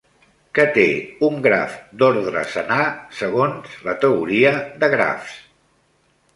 Què té un graf d'ordre senar segons la teoria de grafs?